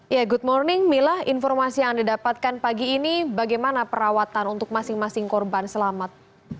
ya good morning mila informasi yang didapatkan pagi ini bagaimana perawatan untuk masing masing korban selamat